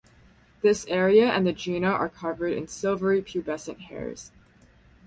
This area and the gena are covered in silvery pubescent hairs.